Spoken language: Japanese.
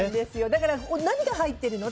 だから、何が入っているの？